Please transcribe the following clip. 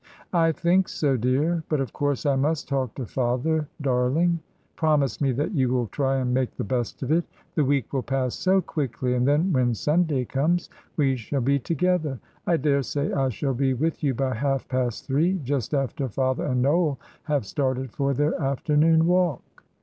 "I think so, dear; but, of course, I must talk to father. Darling, promise me that you will try and make the best of it. The week will pass so quickly, and then, when Sunday comes, we shall be together. I daresay I shall be with you by half past three, just after father and Noel have started for their afternoon walk."